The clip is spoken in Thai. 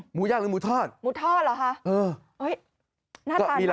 หมูย่างหรือหมูทอด